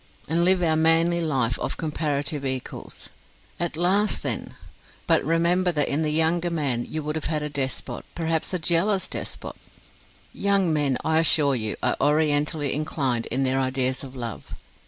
and live our manly life of comparative equals. At last, then! But remember that in the younger man you would have had a despot perhaps a jealous despot. Young men, I assure you, are orientally inclined in their ideas of love.